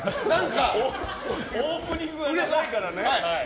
オープニングが長いからね。